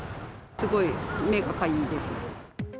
すごい目がかゆいです。